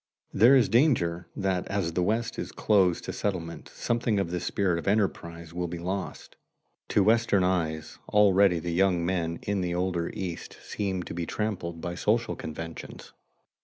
There is danger that as the West is closed to settlement something of the spirit of enterprise will be lost. To Western eyes already the young men in the older East seem to be trammeled by social conventions.